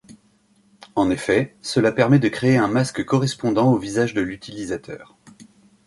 En effet, cela permet de créer un masque correspondant au visage de l'utilisateur.